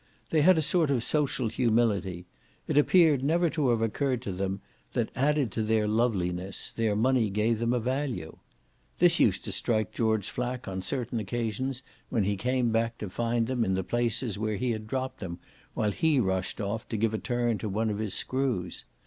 They had a sort of social humility; it appeared never to have occurred to them that, added to their loveliness, their money gave them a value. This used to strike George Flack on certain occasions when he came back to find them in the places where he had dropped them while he rushed off to give a turn to one of his screws.